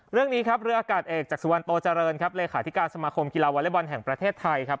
เรื่องนี้ครับเรืออากาศเอกจากสุวรรณโตเจริญครับเลขาธิการสมาคมกีฬาวอเล็กบอลแห่งประเทศไทยครับ